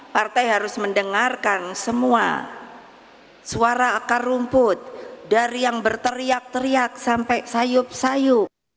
partai harus mendengarkan semua suara akar rumput dari yang berteriak teriak sampai sayup sayup